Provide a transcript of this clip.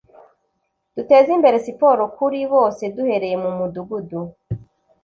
duteze imbere siporo kuri bose duhereye mu mudugudu”